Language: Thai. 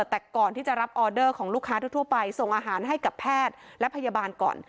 แต่ก่อนที่จะรับออเดอร์ของลูกค้าทั่วไปส่งอาหารให้กับแพทย์และพยาบาลก่อน